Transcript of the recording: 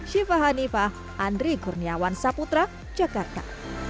syifa hanifah andri kurniawan saputra jakarta